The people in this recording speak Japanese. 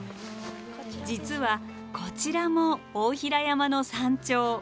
実はこちらも大平山の山頂。